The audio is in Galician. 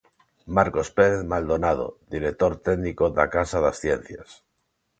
Marcos Pérez Maldonado, Director Técnico da Casa das Ciencias.